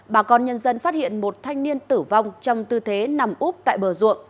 bà con nhân dân phát hiện một thanh niên tử vong trong tư thế nằm úp tại bờ ruộng